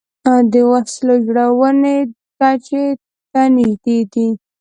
د وسلو جوړونې کچې ته نژدې دي